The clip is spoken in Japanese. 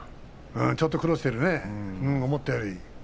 ちょっと苦労しているね、思ったより。